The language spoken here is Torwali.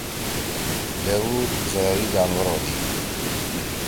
لیوو ضرری جانور ہودی۔